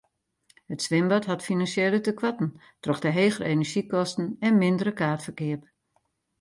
It swimbad hat finansjele tekoarten troch de hegere enerzjykosten en mindere kaartferkeap.